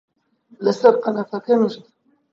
لەسەر قەنەفەکە نووست